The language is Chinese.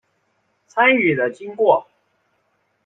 参与的经过